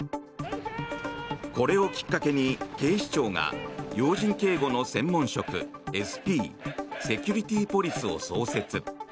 これをきっかけに警視庁が要人警護の専門職ＳＰ・セキュリティーポリスを創設。